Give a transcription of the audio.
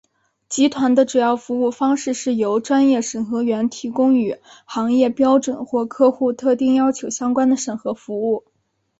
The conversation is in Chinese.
集团的主要服务方式是由专业审核员提供与行业标准或客户特定要求相关的审核服务。